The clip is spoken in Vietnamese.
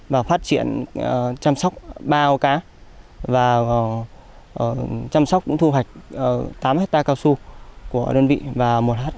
và phát triển chăm sóc bao cá và chăm sóc cũng thu hoạch